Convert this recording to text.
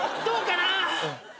どうかな？